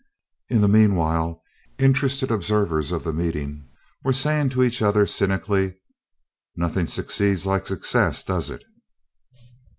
In the meanwhile, interested observers of the meeting were saying to each other cynically: "Nothing succeeds like success, does it?"